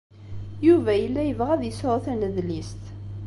Yuba yella yebɣa ad yesɛu tanedlist.